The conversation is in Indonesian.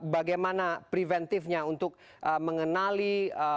bagaimana preventifnya untuk mengenali